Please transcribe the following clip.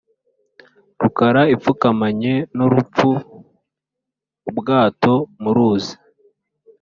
Rukara ipfukamanye n'urupfu-Ubwato mu ruzi.